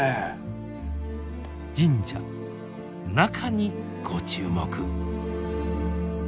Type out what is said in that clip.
神社中にご注目。